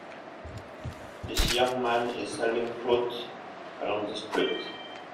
This young man is selling fruit along the street.